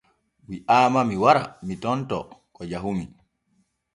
Wi’aama mi wara mi tontoo ko jahumi.